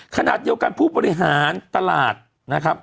ขณะเดียวกันผู้บริหารตลาดนะครับ